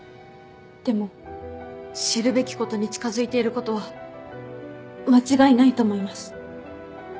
でも知るべきことに近づいていることは間違いないと思います。